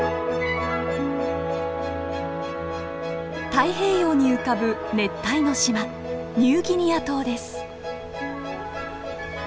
太平洋に浮かぶ熱帯の島ニューギニア島です。